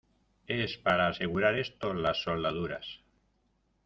es para asegurar esto, las soldaduras.